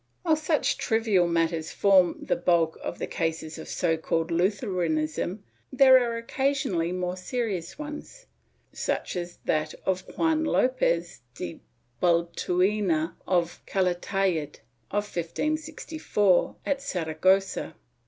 ^ While such trivial matters form the bulk of the cases of so called Lutheranism there were occasionally more serious ones, such as that of Juan Lopez de Baltuena of Calatayud in 1564, at Saragossa.